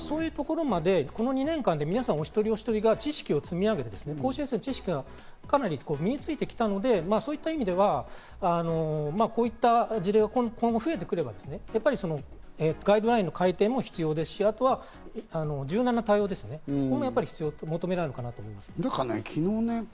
そういうところまで、この２年間でお一人お一人が知識を積み上げて、こういう知識が身についてきたので、そういった意味ではこういった事例が今後増えてくれば、ガイドラインの改定も必要ですし、柔軟な対応も必要だと思います。